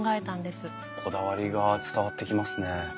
こだわりが伝わってきますね。